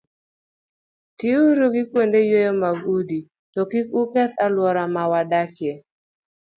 Tiuru gi kuonde yweyo mag udi, to kik uketh alwora ma udakie.